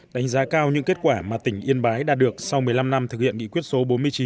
đánh giá cao những kết quả mà tỉnh yên bái đã được sau một mươi năm năm thực hiện nghị quyết số bốn mươi chín